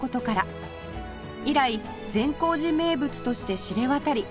以来善光寺名物として知れ渡り